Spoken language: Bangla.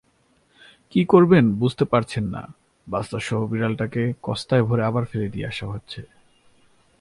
কি করবেন বুঝতে পারছেন না বাচ্চাসহ বিড়ালটাকে কস্তায় ভরে আবার ফেলে দিয়ে আসা হয়েছে।